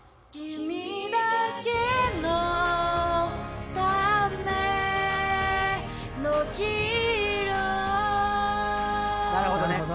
なるほどね。